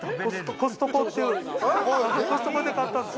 コストコで買ったんです。